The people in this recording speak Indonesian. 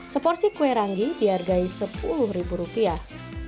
seporsi kue ranggi dihargai sepuluh ribu rupiah